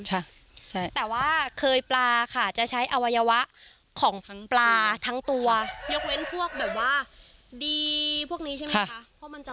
ใช่แต่ว่าเคยปลาค่ะจะใช้อวัยวะของทั้งปลาทั้งตัวยกเว้นพวกแบบว่าดีพวกนี้ใช่ไหมคะ